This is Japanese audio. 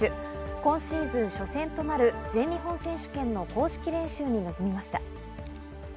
今シーズン初戦となる全日本選手権の公式練習に臨みました。